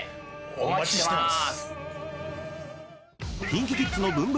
お待ちしてます。